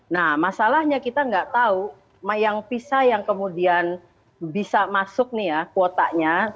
nah masalahnya kita nggak tahu yang visa yang kemudian bisa masuk nih ya kuotanya